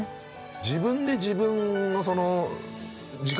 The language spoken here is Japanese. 自分で自分のその。